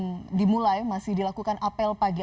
yang dimulai masih dilakukan apel pagi